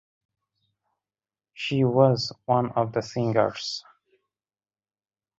She was one of the singers.